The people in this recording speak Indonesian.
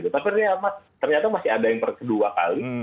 tapi ternyata masih ada yang kedua kali